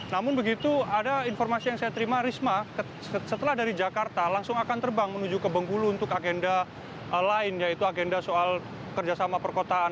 namun begitu ada informasi yang saya terima risma setelah dari jakarta langsung akan terbang menuju ke bengkulu untuk agenda lain yaitu agenda soal kerjasama perkotaan